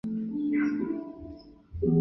以下声韵调系统以武义老派城里话为准。